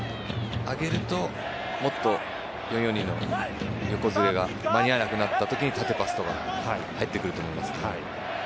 上げるともっと４−４−２の横ズレが間に合わなくなったときに縦パスとか入ってくると思います。